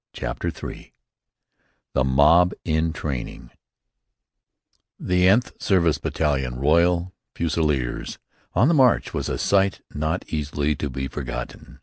CHAPTER III THE MOB IN TRAINING The Nth Service Battalion, Royal Fusiliers, on the march was a sight not easily to be forgotten.